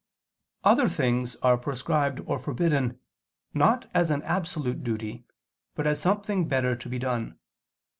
Other things are prescribed or forbidden, not as an absolute duty, but as something better to be done.